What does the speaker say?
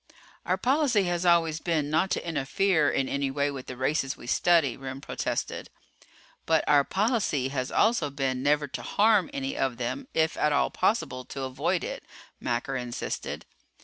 "Our policy has always been not to interfere in anyway with the races we study," Remm protested. "But our policy has also been never to harm any of them, if at all possible to avoid it," Macker insisted.